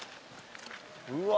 うわ